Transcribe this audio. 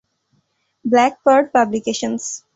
Black pearl publications.